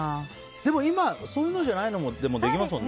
でも今、そんなじゃないのもできますもんね。